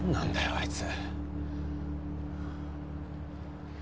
あいつ。